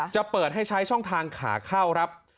จะเปิดให้ใช้ช่องทางขาเข้าครับ